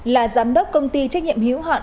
là giám đốc công ty trách nhiệm hữu hạn